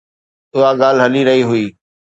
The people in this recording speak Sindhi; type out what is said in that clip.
اها ڳالهه هلي رهي هئي.